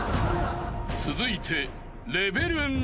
［続いて］